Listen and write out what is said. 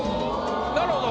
なるほど。